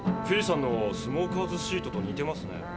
フィーさんのスモーカーズシートと似てますね。